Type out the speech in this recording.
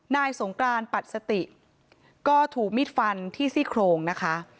นายสงกรานปัดสติก็ถูกมีดฟันที่ซี่โครงนะคะ